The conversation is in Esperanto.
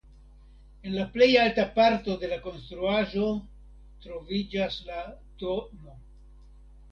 En la plej alta parto de la konstruaĵo troviĝas la tn.